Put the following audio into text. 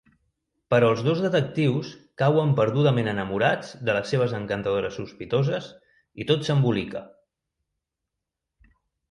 Però els dos detectius cauen perdudament enamorats de les seves encantadores sospitoses i tot s'embolica.